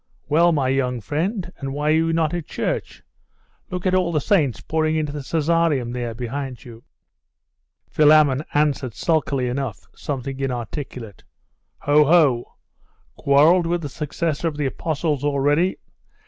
'Well, my young friend, and why are you not at church? Look at all the saints pouring into the Caesareum there, behind you.' Philammon answered sulkily enough something inarticulate. 'Ho, ho! Quarrelled with the successor of the Apostles already?